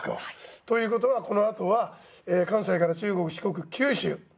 ということはこのあとは関西から中国四国九州。